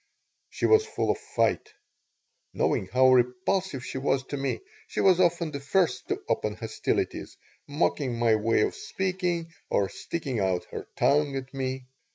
She was full of fight. Knowing how repulsive she was to me, she was often the first to open hostilities, mocking my way of speaking, or sticking out her tongue at me.